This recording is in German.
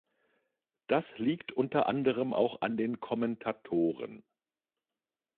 Das liegt unter anderem auch an den Kommentatoren.